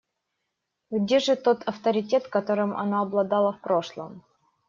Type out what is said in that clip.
Где же тот авторитет, которым она обладала в прошлом?